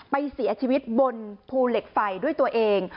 ไปเสียชีวิตบนภูเหล็กไฟด้วยตัวเอง